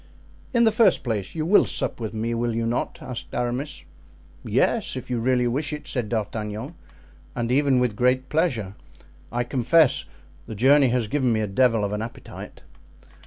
"In the first place, you will sup with me, will you not?" asked Aramis. "Yes, if you really wish it," said D'Artagnan, "and even with great pleasure, I confess; the journey has given me a devil of an appetite."